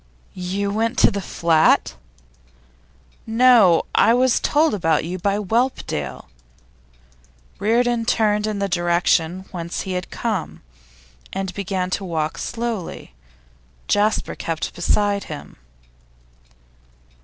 'You went to the flat?' 'No, I was told about you by Whelpdale.' Reardon turned in the direction whence he had come, and began to walk slowly; Jasper kept beside him.